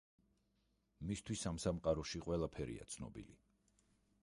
მისთვის ამ სამყაროში ყველაფერია ცნობილი.